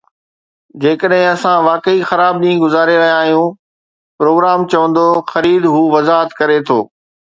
جيڪڏهن اسان واقعي خراب ڏينهن گذاري رهيا آهيون، پروگرام چوندو 'خريد،' هو وضاحت ڪري ٿو